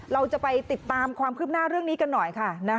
เราจะไปติดตามความคืบหน้าเรื่องนี้กันหน่อยค่ะ